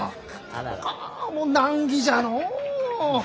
あもう難儀じゃのう。